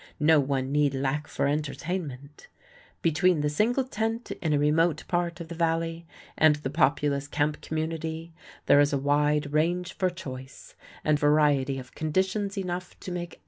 No one need lack for entertainment. Between the single tent in a remote part of the Valley and the populous camp community there is a wide range for choice, and variety of conditions enough to make everyone happy.